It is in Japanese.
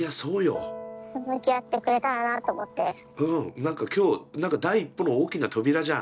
何か今日何か第一歩の大きな扉じゃん。